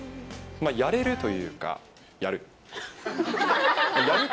まあ、やれるというか、やる。